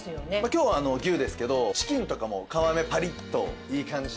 今日は牛ですけどチキンとかも皮目パリッといい感じに。